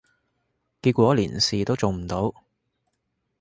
結果連事都做唔到